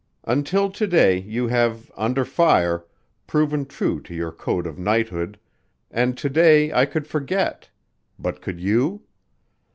Until to day you have, under fire, proven true to your code of knighthood, and to day I could forget but could you?